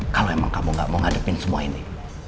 kalau emang kamu gak mau ngadepin semua ini